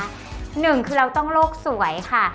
หนึ่งคือเราต้องโลกสวยค่ะ